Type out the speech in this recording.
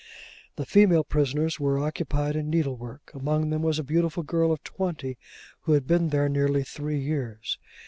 The female prisoners were occupied in needlework. Among them was a beautiful girl of twenty, who had been there nearly three years.